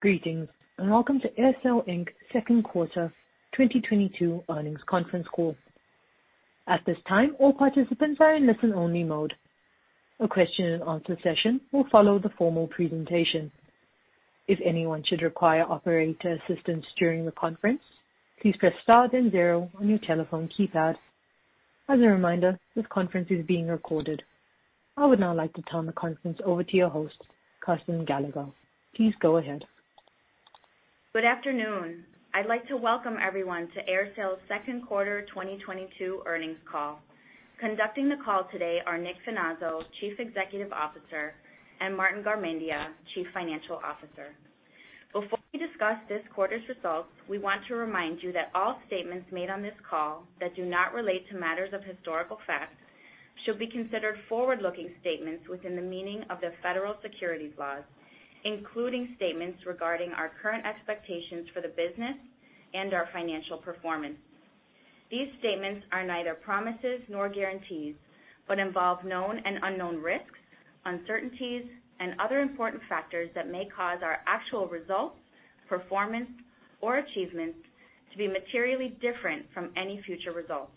Greetings, and welcome to AerSale Inc.'s second quarter 2022 earnings conference call. At this time, all participants are in listen-only mode. A question and answer session will follow the formal presentation. If anyone should require operator assistance during the conference, please press star then zero on your telephone keypad. As a reminder, this conference is being recorded. I would now like to turn the conference over to your host, Kristen Gallagher. Please go ahead. Good afternoon. I'd like to welcome everyone to AerSale's second quarter 2022 earnings call. Conducting the call today are Nicolas Finazzo, Chief Executive Officer, and Martin Garmendia, Chief Financial Officer. Before we discuss this quarter's results, we want to remind you that all statements made on this call that do not relate to matters of historical fact should be considered forward-looking statements within the meaning of the federal securities laws, including statements regarding our current expectations for the business and our financial performance. These statements are neither promises nor guarantees, but involve known and unknown risks, uncertainties, and other important factors that may cause our actual results, performance, or achievements to be materially different from any future results.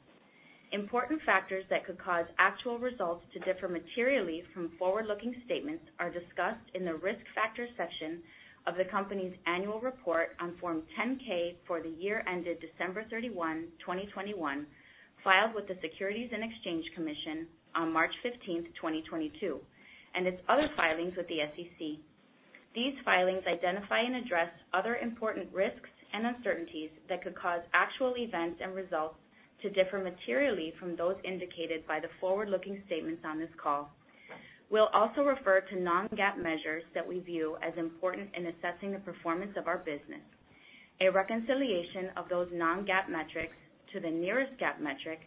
Important factors that could cause actual results to differ materially from forward-looking statements are discussed in the Risk Factors section of the company's annual report on Form 10-K for the year ended December 31, 2021, filed with the Securities and Exchange Commission on March 15, 2022, and its other filings with the SEC. These filings identify and address other important risks and uncertainties that could cause actual events and results to differ materially from those indicated by the forward-looking statements on this call. We'll also refer to non-GAAP measures that we view as important in assessing the performance of our business. A reconciliation of those non-GAAP metrics to the nearest GAAP metric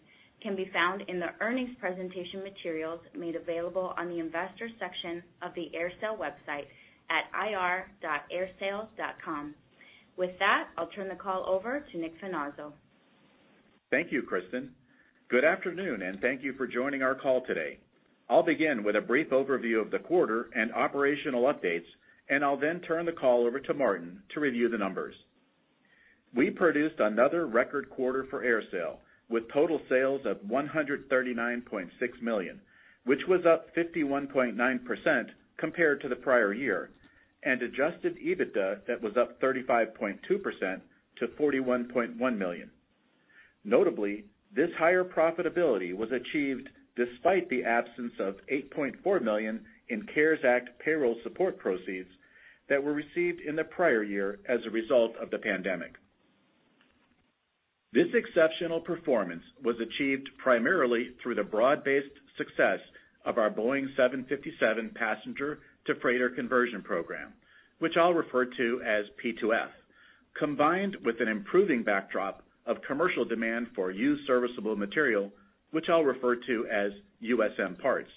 can be found in the earnings presentation materials made available on the Investors section of the AerSale website at ir.aersale.com. With that, I'll turn the call over to Nicolas Finazzo. Thank you Kristen. Good afternoon, and thank you for joining our call today. I'll begin with a brief overview of the quarter and operational updates, and I'll then turn the call over to Martin to review the numbers. We produced another record quarter for AerSale, with total sales of $139.6 million, which was up 51.9% compared to the prior year, and adjusted EBITDA that was up 35.2% to $41.1 million. Notably, this higher profitability was achieved despite the absence of $8.4 million in CARES Act payroll support proceeds that were received in the prior year as a result of the pandemic. This exceptional performance was achieved primarily through the broad-based success of our Boeing 757 passenger-to-freighter conversion program, which I'll refer to as P2F, combined with an improving backdrop of commercial demand for used serviceable material, which I'll refer to as USM parts.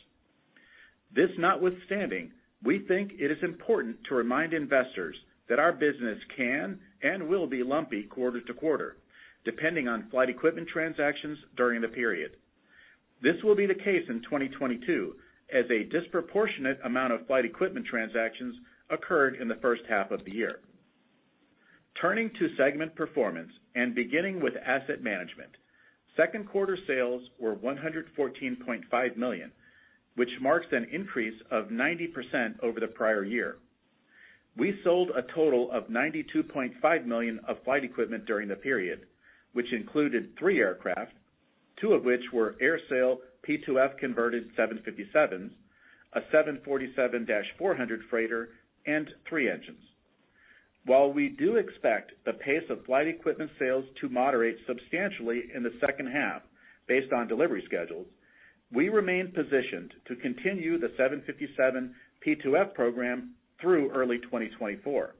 This notwithstanding, we think it is important to remind investors that our business can and will be lumpy quarter to quarter, depending on flight equipment transactions during the period. This will be the case in 2022, as a disproportionate amount of flight equipment transactions occurred in the first half of the year. Turning to segment performance, and beginning with asset management, second quarter sales were $114.5 million, which marks an increase of 90% over the prior year. We sold a total of $92.5 million of flight equipment during the period, which included three aircraft, two of which were AerSale P2F-converted 757s, a 747-400 freighter, and three engines. While we do expect the pace of flight equipment sales to moderate substantially in the second half based on delivery schedules, we remain positioned to continue the 757 P2F program through early 2024.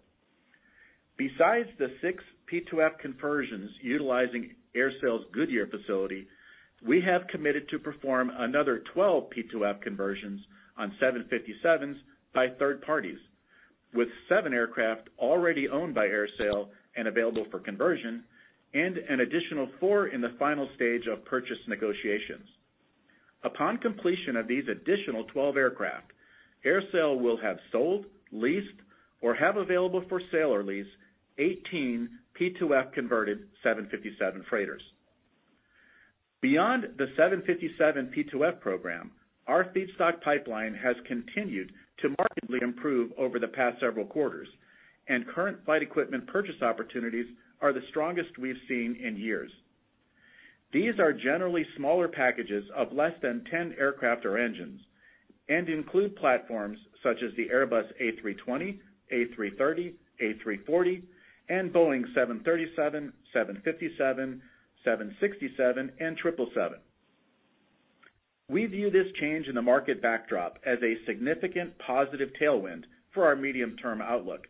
Besides the six P2F conversions utilizing AerSale's Goodyear facility, we have committed to perform another 12 P2F conversions on 757s by third parties, with seven aircraft already owned by AerSale and available for conversion and an additional four in the final stage of purchase negotiations. Upon completion of these additional 12 aircraft, AerSale will have sold, leased, or have available for sale or lease 18 P2F-converted 757 freighters. Beyond the 757 P2F program, our feedstock pipeline has continued to markedly improve over the past several quarters, and current flight equipment purchase opportunities are the strongest we've seen in years. These are generally smaller packages of less than 10 aircraft or engines and include platforms such as the Airbus A320, A330, A340, and Boeing 737, 757, 767, and 777. We view this change in the market backdrop as a significant positive tailwind for our medium-term outlook,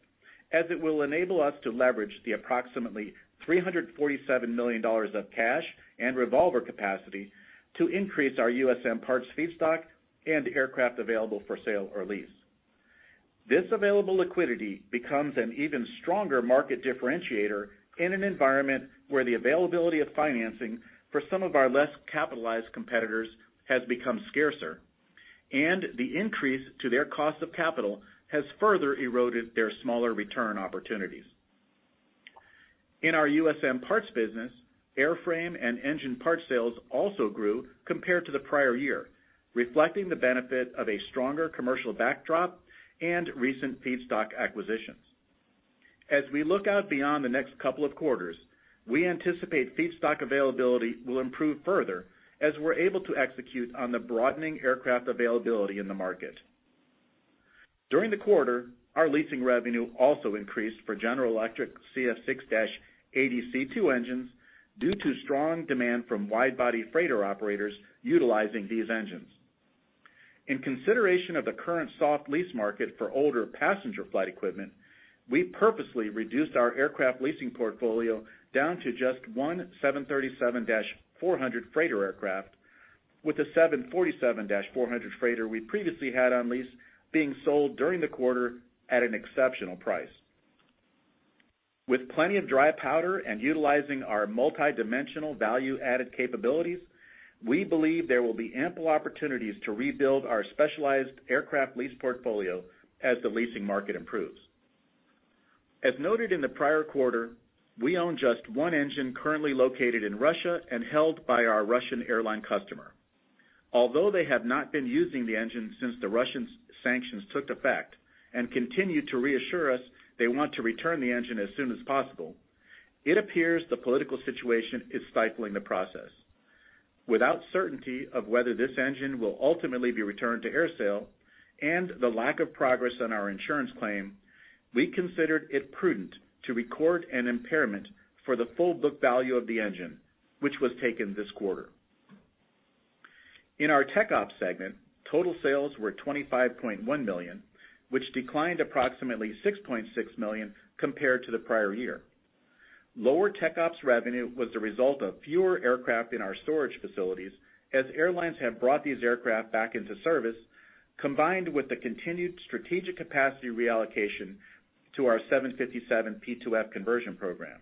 as it will enable us to leverage the approximately $347 million of cash and revolver capacity to increase our USM parts feedstock and aircraft available for sale or lease. This available liquidity becomes an even stronger market differentiator in an environment where the availability of financing for some of our less capitalized competitors has become scarcer. The increase to their cost of capital has further eroded their smaller return opportunities. In our USM Parts business, airframe and engine part sales also grew compared to the prior year, reflecting the benefit of a stronger commercial backdrop and recent feedstock acquisitions. As we look out beyond the next couple of quarters, we anticipate feedstock availability will improve further as we're able to execute on the broadening aircraft availability in the market. During the quarter, our leasing revenue also increased for General Electric CF6-80C2 engines due to strong demand from wide-body freighter operators utilizing these engines. In consideration of the current soft lease market for older passenger flight equipment, we purposely reduced our aircraft leasing portfolio down to just one 737-400 freighter aircraft, with the 747-400 freighter we previously had on lease being sold during the quarter at an exceptional price. With plenty of dry powder and utilizing our multidimensional value-added capabilities, we believe there will be ample opportunities to rebuild our specialized aircraft lease portfolio as the leasing market improves. As noted in the prior quarter, we own just one engine currently located in Russia and held by our Russian airline customer. Although they have not been using the engine since the Russian sanctions took effect and continue to reassure us they want to return the engine as soon as possible, it appears the political situation is stifling the process. Without certainty of whether this engine will ultimately be returned to AerSale and the lack of progress on our insurance claim, we considered it prudent to record an impairment for the full book value of the engine, which was taken this quarter. In our Tech Ops segment, total sales were $25.1 million, which declined approximately $6.6 million compared to the prior year. Lower Tech Ops revenue was the result of fewer aircraft in our storage facilities, as airlines have brought these aircraft back into service, combined with the continued strategic capacity reallocation to our 757 P2F conversion program.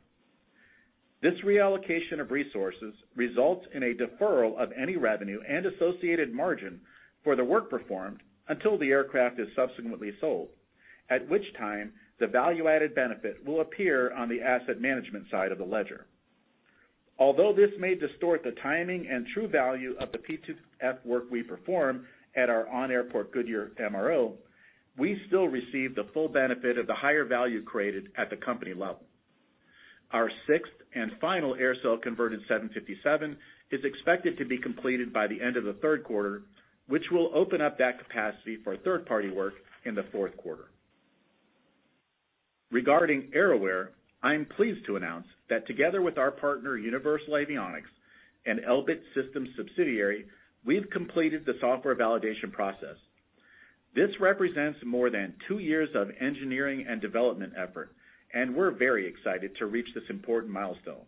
This reallocation of resources results in a deferral of any revenue and associated margin for the work performed until the aircraft is subsequently sold, at which time the value-added benefit will appear on the asset management side of the ledger. Although this may distort the timing and true value of the P2F work we perform at our on-airport Goodyear MRO, we still receive the full benefit of the higher value created at the company level. Our sixth and final AerSale converted 757 is expected to be completed by the end of the third quarter, which will open up that capacity for third-party work in the fourth quarter. Regarding AerAware, I am pleased to announce that together with our partner, Universal Avionics, an Elbit Systems subsidiary, we've completed the software validation process. This represents more than two years of engineering and development effort, and we're very excited to reach this important milestone.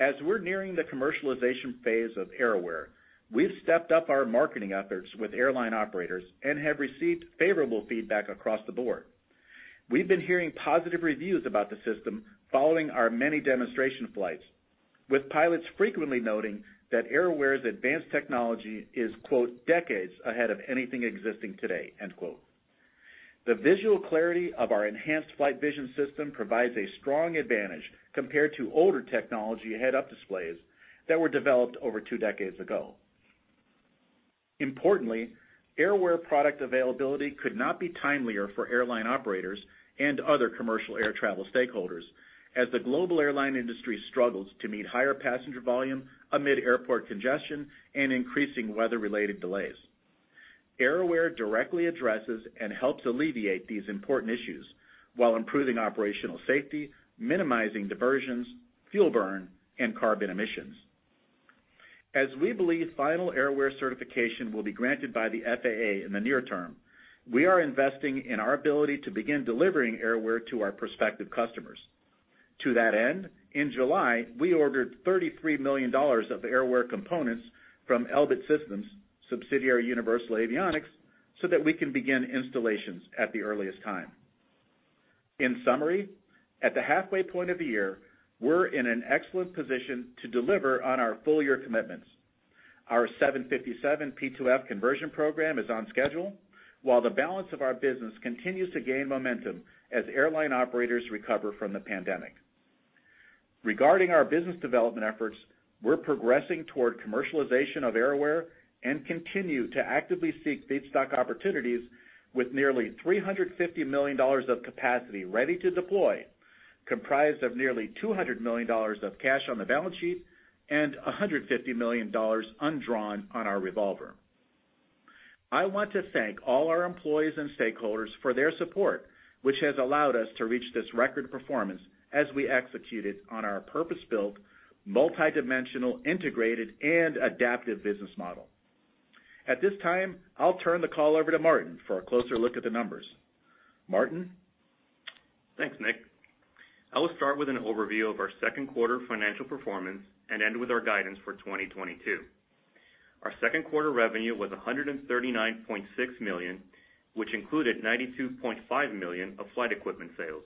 As we're nearing the commercialization phase of AerAware, we've stepped up our marketing efforts with airline operators and have received favorable feedback across the board. We've been hearing positive reviews about the system following our many demonstration flights, with pilots frequently noting that AerAware's advanced technology is, quote, decades ahead of anything existing today, end quote. The visual clarity of our enhanced flight vision system provides a strong advantage compared to older technology head-up displays that were developed over two decades ago. Importantly, AerAware product availability could not be timelier for airline operators and other commercial air travel stakeholders, as the global airline industry struggles to meet higher passenger volume amid airport congestion and increasing weather-related delays. AerAware directly addresses and helps alleviate these important issues while improving operational safety, minimizing diversions, fuel burn, and carbon emissions. As we believe final AerAware certification will be granted by the FAA in the near term, we are investing in our ability to begin delivering AerAware to our prospective customers. To that end, in July, we ordered $33 million of AerAware components from Elbit Systems subsidiary Universal Avionics, so that we can begin installations at the earliest time. In summary, at the halfway point of the year, we're in an excellent position to deliver on our full-year commitments. Our 757 P2F conversion program is on schedule, while the balance of our business continues to gain momentum as airline operators recover from the pandemic. Regarding our business development efforts, we're progressing toward commercialization of AerAware and continue to actively seek feedstock opportunities with nearly $350 million of capacity ready to deploy, comprised of nearly $200 million of cash on the balance sheet and $150 million undrawn on our revolver. I want to thank all our employees and stakeholders for their support, which has allowed us to reach this record performance as we executed on our purpose-built, multidimensional, integrated, and adaptive business model. At this time, I'll turn the call over to Martin for a closer look at the numbers. Martin? Thanks Nick I will start with an overview of our second quarter financial performance and end with our guidance for 2022. Our second quarter revenue was $139.6 million, which included $92.5 million of flight equipment sales.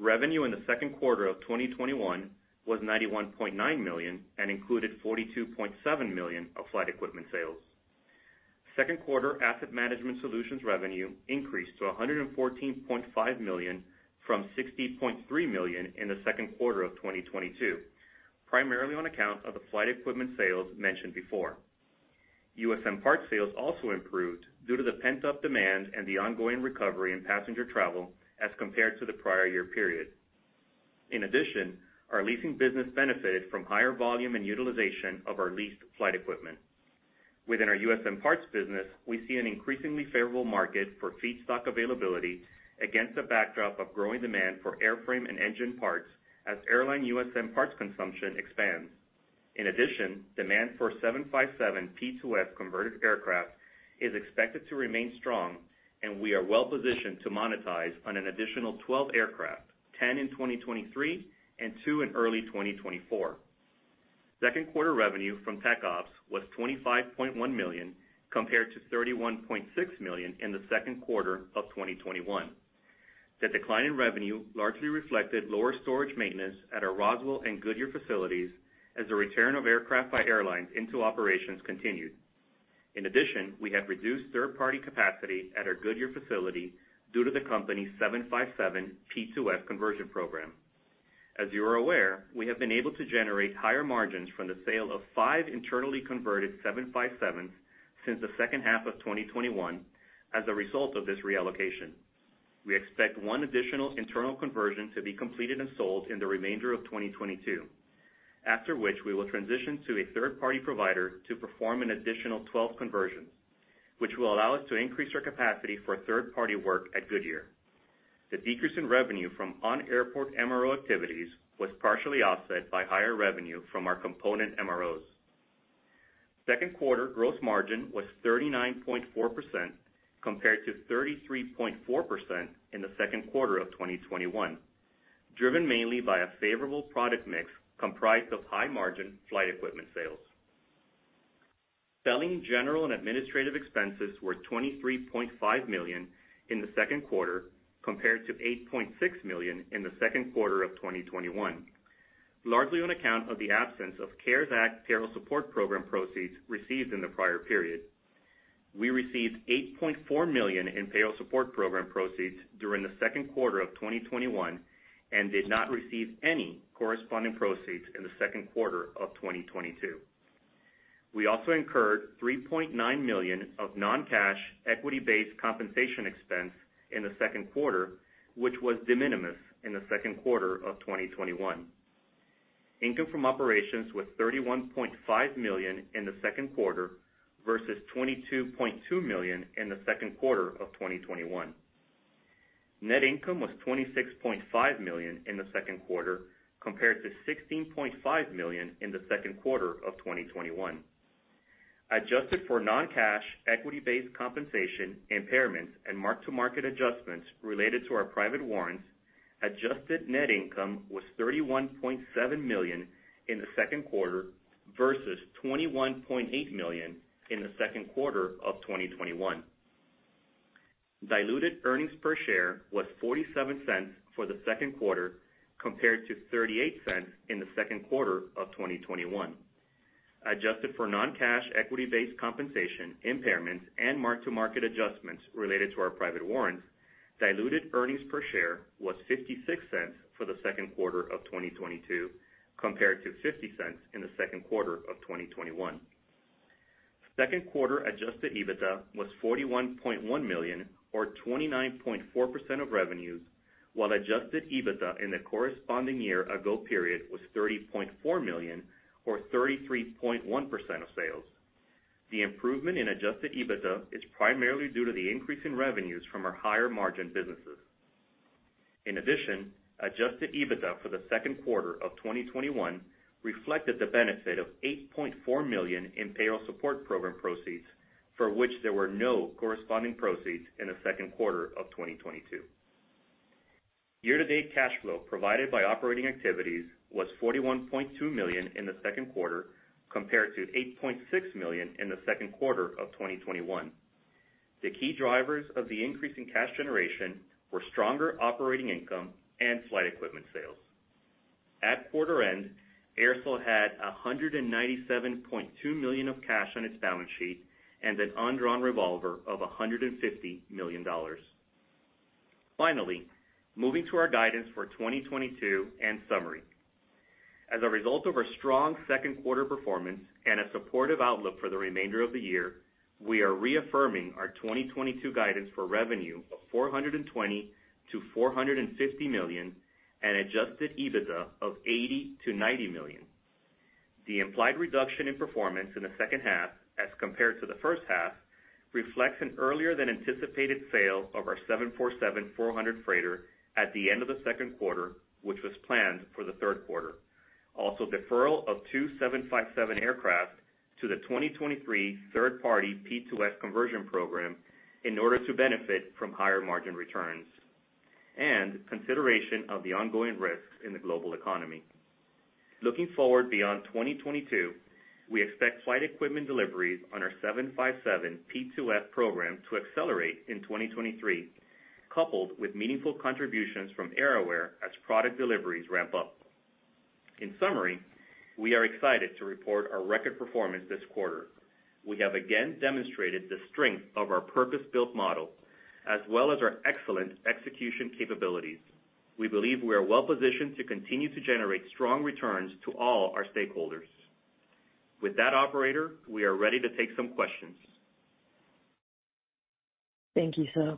Revenue in the second quarter of 2021 was $91.9 million and included $42.7 million of flight equipment sales. Second quarter asset management solutions revenue increased to $114.5 million from $60.3 million in the second quarter of 2021, primarily on account of the flight equipment sales mentioned before. USM parts sales also improved due to the pent-up demand and the ongoing recovery in passenger travel as compared to the prior year period. In addition, our leasing business benefited from higher volume and utilization of our leased flight equipment. Within our USM Parts business, we see an increasingly favorable market for feedstock availability against a backdrop of growing demand for airframe and engine parts as airline USM parts consumption expands. In addition, demand for 757 P2F converted aircraft is expected to remain strong, and we are well positioned to monetize on an additional 12 aircraft, 10 in 2023 and two in early 2024. Second quarter revenue from TechOps was $25.1 million, compared to $31.6 million in the second quarter of 2021. The decline in revenue largely reflected lower storage maintenance at our Roswell and Goodyear facilities as the return of aircraft by airlines into operations continued. In addition, we have reduced third-party capacity at our Goodyear facility due to the company's 757 P2F conversion program. As you are aware, we have been able to generate higher margins from the sale of five internally converted 757s since the second half of 2021 as a result of this reallocation. We expect one additional internal conversion to be completed and sold in the remainder of 2022, after which we will transition to a third-party provider to perform an additional 12 conversions, which will allow us to increase our capacity for third-party work at Goodyear. The decrease in revenue from on-airport MRO activities was partially offset by higher revenue from our component MRO. Second quarter gross margin was 39.4% compared to 33.4% in the second quarter of 2021, driven mainly by a favorable product mix comprised of high margin flight equipment sales. Selling, general and administrative expenses were $23.5 million in the second quarter compared to $8.6 million in the second quarter of 2021, largely on account of the absence of CARES Act Payroll Support Program proceeds received in the prior period. We received $8.4 million in Payroll Support Program proceeds during the second quarter of 2021 and did not receive any corresponding proceeds in the second quarter of 2022. We also incurred $3.9 million of non-cash equity-based compensation expense in the second quarter, which was de minimis in the second quarter of 2021. Income from operations was $31.5 million in the second quarter versus $22.2 million in the second quarter of 2021. Net income was $26.5 million in the second quarter compared to $16.5 million in the second quarter of 2021. Adjusted for non-cash equity-based compensation, impairments, and mark-to-market adjustments related to our private warrants, adjusted net income was $31.7 million in the second quarter versus $21.8 million in the second quarter of 2021. Diluted earnings per share was $0.47 for the second quarter compared to $0.38 in the second quarter of 2021. Adjusted for non-cash equity-based compensation, impairments, and mark-to-market adjustments related to our private warrants, diluted earnings per share was $0.56 for the second quarter of 2022 compared to $0.50 in the second quarter of 2021. Second quarter adjusted EBITDA was $41.1 million or 29.4% of revenues, while adjusted EBITDA in the corresponding year ago period was $30.4 million or 33.1% of sales. The improvement in adjusted EBITDA is primarily due to the increase in revenues from our higher margin businesses. In addition, adjusted EBITDA for the second quarter of 2021 reflected the benefit of $8.4 million in Payroll Support Program proceeds, for which there were no corresponding proceeds in the second quarter of 2022. Year-to-date cash flow provided by operating activities was $41.2 million in the second quarter compared to $8.6 million in the second quarter of 2021. The key drivers of the increase in cash generation were stronger operating income and flight equipment sales. At quarter end, AerSale had $197.2 million of cash on its balance sheet and an undrawn revolver of $150 million. Finally, moving to our guidance for 2022 and summary. As a result of our strong second quarter performance and a supportive outlook for the remainder of the year, we are reaffirming our 2022 guidance for revenue of $420 million-$450 million and adjusted EBITDA of $80 million-$90 million. The implied reduction in performance in the second half as compared to the first half reflects an earlier than anticipated sale of our 747-400 freighter at the end of the second quarter, which was planned for the third quarter. Also, deferral of 757 aircraft to the 2023 third-party P2F conversion program in order to benefit from higher margin returns and consideration of the ongoing risks in the global economy. Looking forward beyond 2022, we expect flight equipment deliveries on our 757 P2F program to accelerate in 2023, coupled with meaningful contributions from AerAware as product deliveries ramp up. In summary, we are excited to report our record performance this quarter. We have again demonstrated the strength of our purpose-built model as well as our excellent execution capabilities. We believe we are well positioned to continue to generate strong returns to all our stakeholders. With that, operator, we are ready to take some questions. Thank you sir.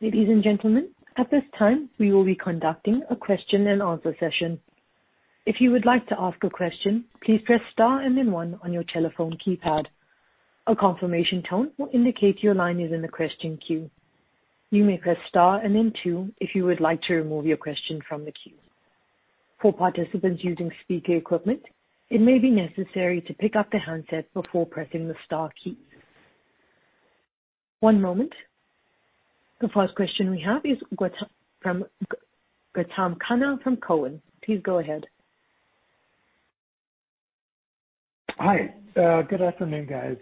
Ladies and gentlemen, at this time we will be conducting a question and answer session. If you would like to ask a question, please press star and then one on your telephone keypad. A confirmation tone will indicate your line is in the question queue. You may press star and then two if you would like to remove your question from the queue. For participants using speaker equipment, it may be necessary to pick up the handset before pressing the star key. One moment. The first question we have is Gautam Khanna from Cowen. Please go ahead. Hi, good afternoon guys.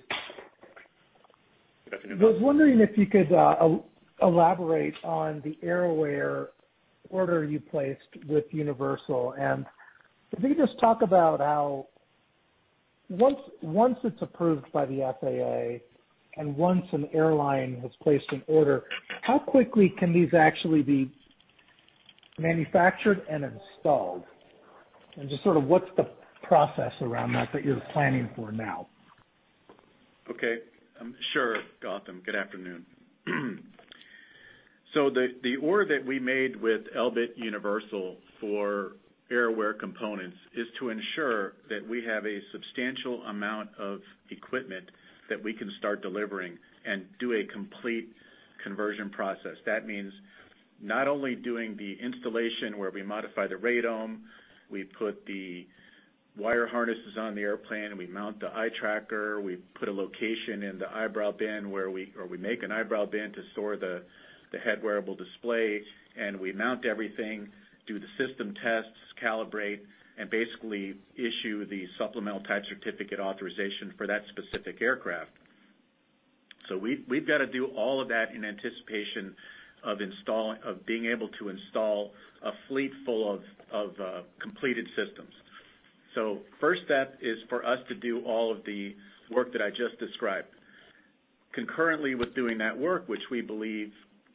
Good afternoon. I was wondering if you could elaborate on the AerAware order you placed with Universal. Could you just talk about how once it's approved by the FAA and once an airline has placed an order, how quickly can these actually be manufactured and installed? Just sort of what's the process around that that you're planning for now? Okay. Sure, Gautam. Good afternoon. The order that we made with Elbit Universal for AerAware components is to ensure that we have a substantial amount of equipment that we can start delivering and do a complete conversion process. That means not only doing the installation where we modify the radome, we put the wire harnesses on the airplane, we mount the eye tracker, we put a location in the eyebrow bin or we make an eyebrow bin to store the headwearable display, and we mount everything, do the system tests, calibrate, and basically issue the supplemental type certificate authorization for that specific aircraft. We've got to do all of that in anticipation of being able to install a fleet full of completed systems. First step is for us to do all of the work that I just described. Concurrently with doing that work, which we believe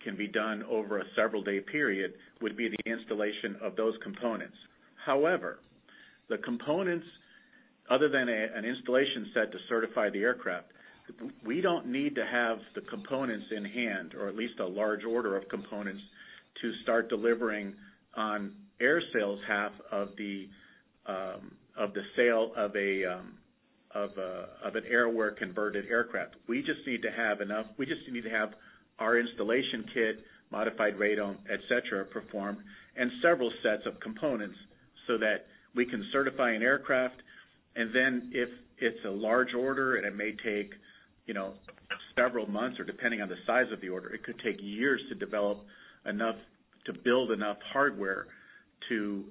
can be done over a several-day period, would be the installation of those components. However, the components, other than an installation set to certify the aircraft, we don't need to have the components in hand or at least a large order of components to start delivering on AerSale's half of the sale of an AerAware converted aircraft. We just need to have our installation kit, modified radome, et cetera, performed and several sets of components so that we can certify an aircraft. If it's a large order, and it may take, you know, several months or depending on the size of the order, it could take years to build enough hardware to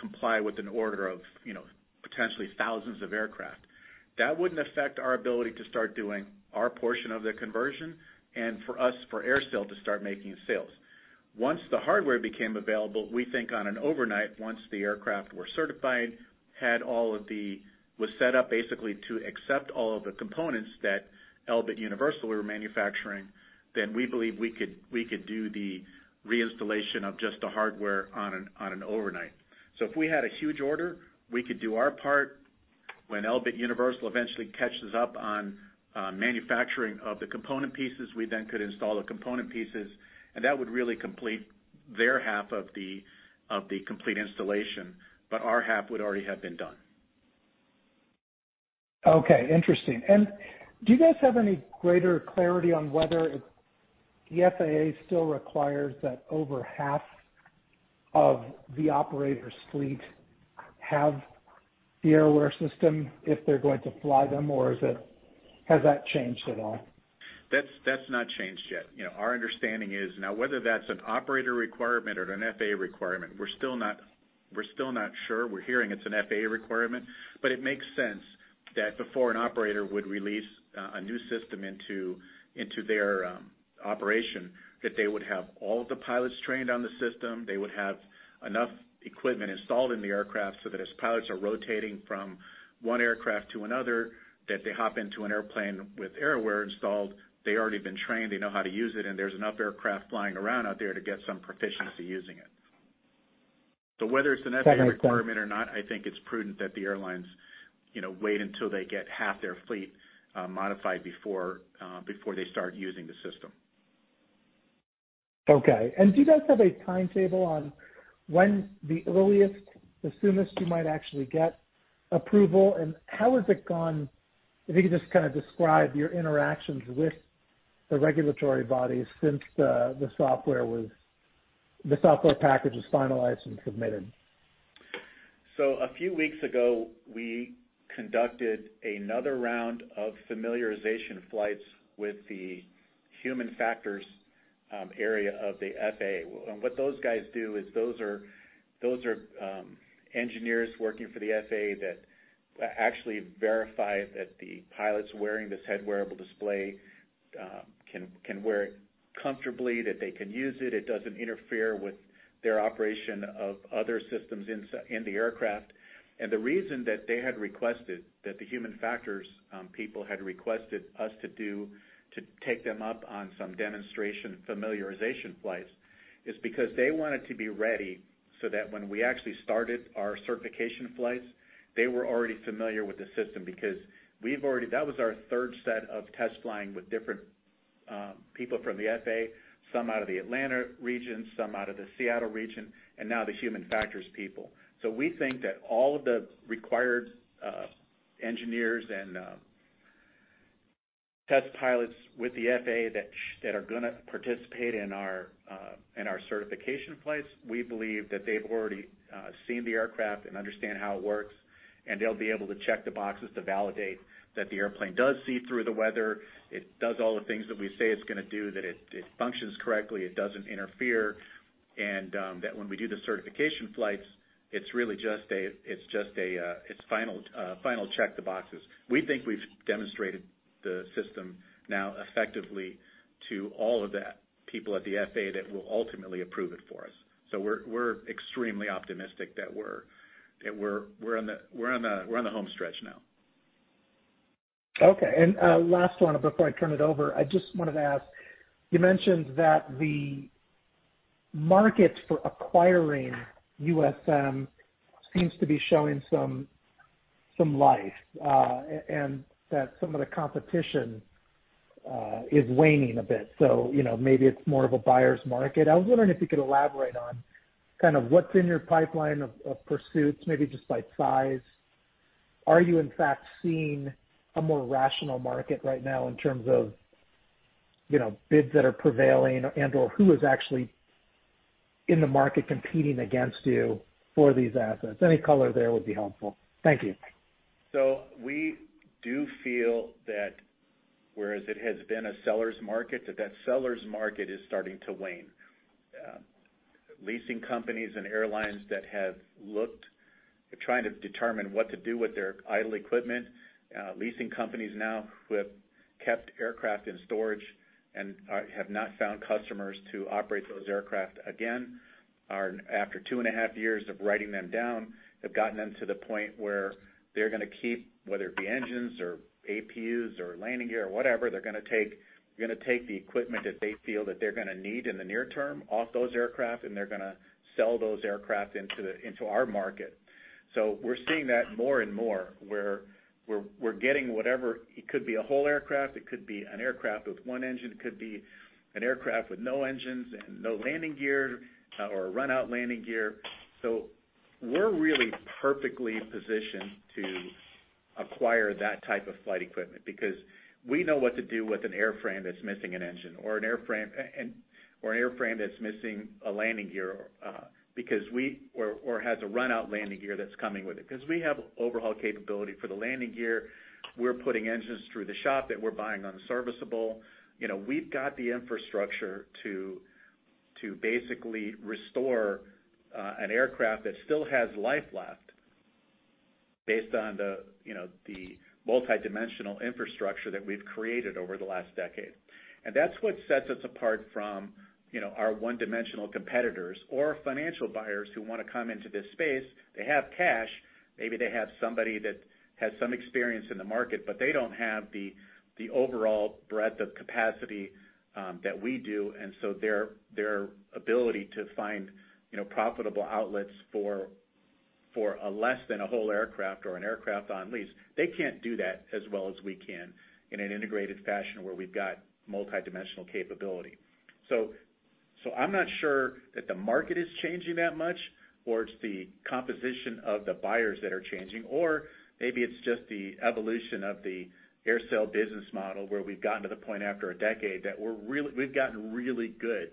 comply with an order of, you know, potentially thousands of aircraft. That wouldn't affect our ability to start doing our portion of the conversion and for us, for AerSale to start making sales. Once the hardware became available, we think on an overnight, once the aircraft were certified, had all of the was set up basically to accept all of the components that Elbit Universal were manufacturing, then we believe we could do the reinstallation of just the hardware on an overnight. If we had a huge order, we could do our part. When Universal Avionics eventually catches up on manufacturing of the component pieces, we then could install the component pieces, and that would really complete their half of the complete installation, but our half would already have been done. Okay. Interesting. Do you guys have any greater clarity on whether the FAA still requires that over half of the operator's fleet have the AerAware system if they're going to fly them, or is it? Has that changed at all? That's not changed yet. You know, our understanding is. Now, whether that's an operator requirement or an FAA requirement, we're still not sure. We're hearing it's an FAA requirement. It makes sense that before an operator would release a new system into their operation, that they would have all the pilots trained on the system. They would have enough equipment installed in the aircraft so that as pilots are rotating from one aircraft to another, that they hop into an airplane with AerAware installed, they already been trained, they know how to use it, and there's enough aircraft flying around out there to get some proficiency using it. Whether it's an FAA requirement or not, I think it's prudent that the airlines, you know, wait until they get half their fleet modified before they start using the system. Okay. Do you guys have a timetable on when the earliest, the soonest you might actually get approval? How has it gone? If you could just kind of describe your interactions with the regulatory bodies since the software package was finalized and submitted. A few weeks ago, we conducted another round of familiarization flights with the human factors area of the FAA. What those guys do is those are engineers working for the FAA that actually verify that the pilots wearing this Head Wearable Display can wear it comfortably, that they can use it doesn't interfere with their operation of other systems in the aircraft. The reason that the human factors people had requested us to do to take them up on some demonstration familiarization flights is because they wanted to be ready so that when we actually started our certification flights, they were already familiar with the system. We've already... That was our third set of test flying with different people from the FAA, some out of the Atlanta region, some out of the Seattle region, and now the human factors people. We think that all of the required engineers and test pilots with the FAA that are gonna participate in our certification flights, we believe that they've already seen the aircraft and understand how it works, and they'll be able to check the boxes to validate that the airplane does see through the weather, it does all the things that we say it's gonna do, that it functions correctly, it doesn't interfere, and that when we do the certification flights, it's really just a final check the boxes. We think we've demonstrated the system now effectively to all of the people at the FAA that will ultimately approve it for us. We're extremely optimistic that we're on the home stretch now. Okay. Last one before I turn it over. I just wanted to ask, you mentioned that the market for acquiring USM seems to be showing some life, and that some of the competition is waning a bit, so, you know, maybe it's more of a buyer's market. I was wondering if you could elaborate on kind of what's in your pipeline of pursuits, maybe just by size. Are you in fact seeing a more rational market right now in terms of, you know, bids that are prevailing and/or who is actually in the market competing against you for these assets? Any color there would be helpful. Thank you. We do feel that whereas it has been a seller's market, that seller's market is starting to wane. Leasing companies and airlines that have looked at trying to determine what to do with their idle equipment, leasing companies now who have kept aircraft in storage and have not found customers to operate those aircraft again are, after two and a half years of writing them down, have gotten them to the point where they're gonna keep, whether it be engines or APUs or landing gear or whatever, they're gonna take the equipment that they feel that they're gonna need in the near term off those aircraft, and they're gonna sell those aircraft into our market. We're seeing that more and more, where we're getting whatever. It could be a whole aircraft, it could be an aircraft with one engine, could be an aircraft with no engines and no landing gear, or run out landing gear. We're really perfectly positioned to acquire that type of flight equipment because we know what to do with an airframe that's missing an engine or an airframe that's missing a landing gear, or has a run out landing gear that's coming with it. 'Cause we have overhaul capability for the landing gear. We're putting engines through the shop that we're buying unserviceable. You know, we've got the infrastructure to basically restore an aircraft that still has life left based on the, you know, the multidimensional infrastructure that we've created over the last decade. That's what sets us apart from, you know, our one-dimensional competitors or financial buyers who wanna come into this space. They have cash. Maybe they have somebody that has some experience in the market, but they don't have the overall breadth of capacity that we do, and so their ability to find, you know, profitable outlets for a less than a whole aircraft or an aircraft on lease, they can't do that as well as we can in an integrated fashion where we've got multidimensional capability. I'm not sure that the market is changing that much, or it's the composition of the buyers that are changing, or maybe it's just the evolution of the AerSale business model, where we've gotten to the point after a decade that we've gotten really good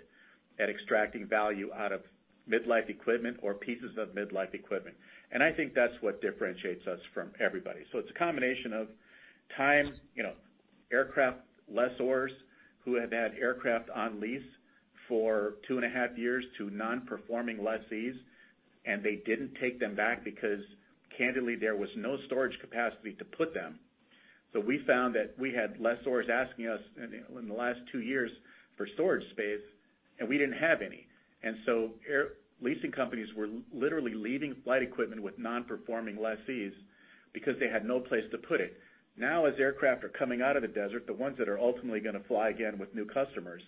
at extracting value out of midlife equipment or pieces of midlife equipment. I think that's what differentiates us from everybody. It's a combination of time, you know, aircraft lessors who have had aircraft on lease for 2.5 years to non-performing lessees, and they didn't take them back because candidly there was no storage capacity to put them. We found that we had lessors asking us in the last 2 years for storage space, and we didn't have any. Aircraft leasing companies were literally leaving flight equipment with non-performing lessees because they had no place to put it. Now, as aircraft are coming out of the desert, the ones that are ultimately gonna fly again with new customers,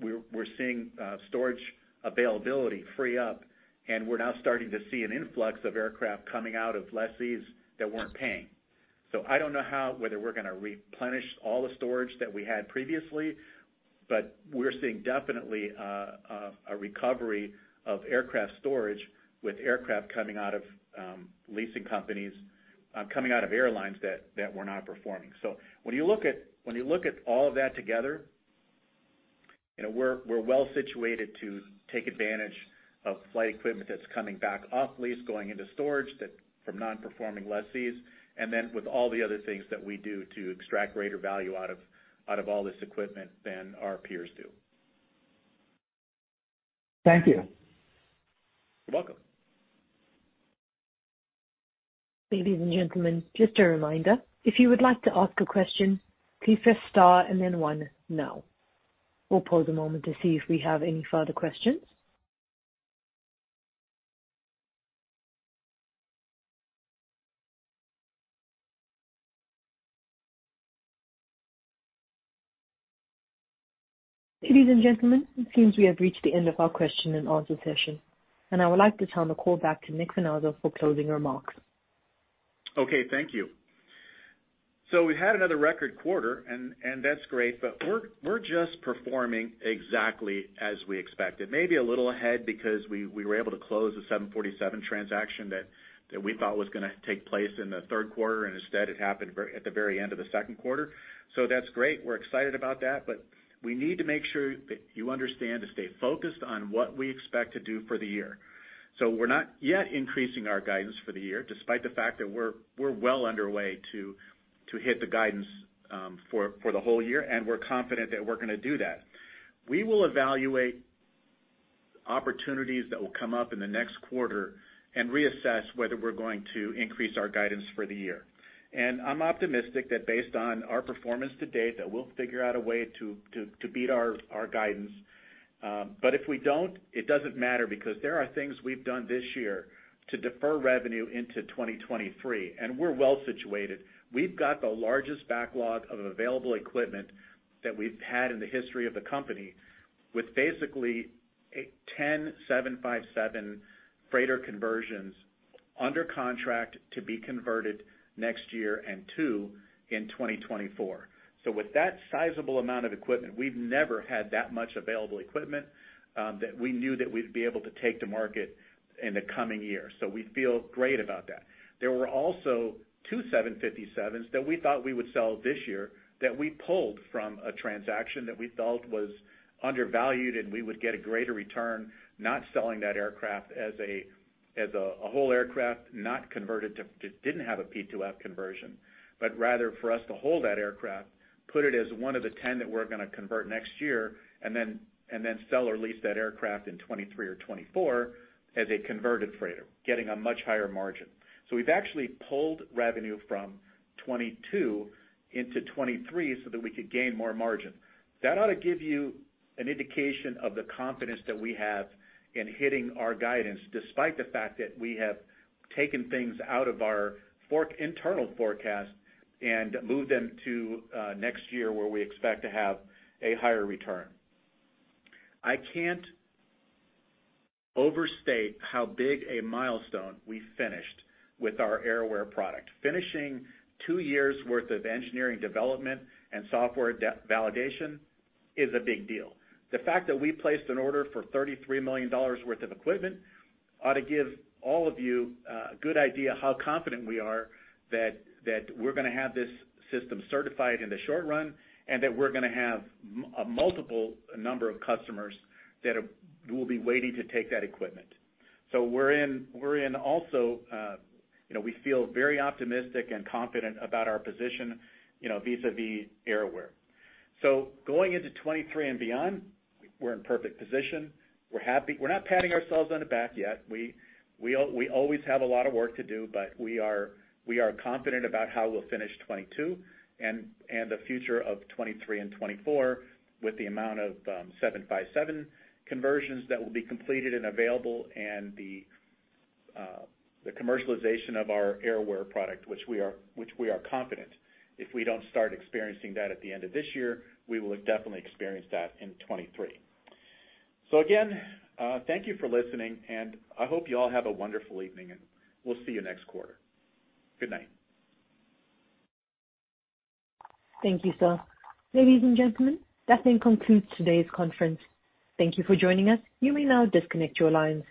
we're seeing storage availability free up, and we're now starting to see an influx of aircraft coming out of lessees that weren't paying. I don't know how, whether we're gonna replenish all the storage that we had previously, but we're seeing definitely a recovery of aircraft storage with aircraft coming out of leasing companies, coming out of airlines that were not performing. When you look at all of that together, you know, we're well situated to take advantage of flight equipment that's coming back off lease, going into storage that from non-performing lessees, and then with all the other things that we do to extract greater value out of all this equipment than our peers do. Thank you. You're welcome. Ladies and gentlemen, just a reminder, if you would like to ask a question, please press Star and then one now. We'll pause a moment to see if we have any further questions. Ladies and gentlemen, it seems we have reached the end of our question and answer session, and I would like to turn the call back to Nicolas Finazzo for closing remarks. Okay. Thank you. We had another record quarter and that's great, but we're just performing exactly as we expected. Maybe a little ahead because we were able to close the 747 transaction that we thought was gonna take place in the third quarter, and instead it happened at the very end of the second quarter. That's great. We're excited about that. We need to make sure that you understand to stay focused on what we expect to do for the year. We're not yet increasing our guidance for the year, despite the fact that we're well underway to hit the guidance for the whole year, and we're confident that we're gonna do that. We will evaluate opportunities that will come up in the next quarter and reassess whether we're going to increase our guidance for the year. I'm optimistic that based on our performance to date, that we'll figure out a way to beat our guidance. If we don't, it doesn't matter because there are things we've done this year to defer revenue into 2023, and we're well situated. We've got the largest backlog of available equipment that we've had in the history of the company with basically a 10 757 freighter conversions under contract to be converted next year and 2 in 2024. With that sizable amount of equipment, we've never had that much available equipment that we knew that we'd be able to take to market in the coming year. We feel great about that. There were also two 757s that we thought we would sell this year that we pulled from a transaction that we felt was undervalued, and we would get a greater return not selling that aircraft as a whole aircraft, that didn't have a P2F conversion. Rather for us to hold that aircraft, put it as one of the 10 that we're gonna convert next year, and then sell or lease that aircraft in 2023 or 2024 as a converted freighter, getting a much higher margin. We've actually pulled revenue from 2022 into 2023 so that we could gain more margin. That ought to give you an indication of the confidence that we have in hitting our guidance, despite the fact that we have taken things out of our forward internal forecast and moved them to next year where we expect to have a higher return. I can't overstate how big a milestone we finished with our AerAware product. Finishing two years worth of engineering development and software validation is a big deal. The fact that we placed an order for $33 million worth of equipment ought to give all of you a good idea how confident we are that we're gonna have this system certified in the short run, and that we're gonna have a multiple number of customers that will be waiting to take that equipment. We're in also, you know, we feel very optimistic and confident about our position, you know, vis-a-vis AerAware. Going into 2023 and beyond, we're in perfect position. We're happy. We're not patting ourselves on the back yet. We always have a lot of work to do, but we are confident about how we'll finish 2022 and the future of 2023 and 2024 with the amount of 757 conversions that will be completed and available and the commercialization of our AerAware product which we are confident. If we don't start experiencing that at the end of this year, we will definitely experience that in 2023. Again, thank you for listening, and I hope you all have a wonderful evening, and we'll see you next quarter. Good night. Thank you sir. Ladies and gentlemen, that then concludes today's conference. Thank you for joining us. You may now disconnect your lines.